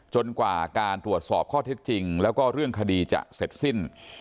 กว่าการตรวจสอบข้อเท็จจริงแล้วก็เรื่องคดีจะเสร็จสิ้น